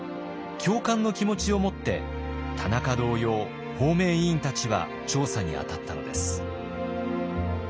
共感の気持ちを持って田中同様方面委員たちは調査にあたったのです。